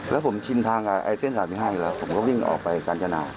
แล้วผมชินทางไอเส้น๓๕แล้วผมก็วิ่งออกไปกาญจนาว